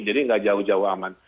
jadi tidak jauh jauh aman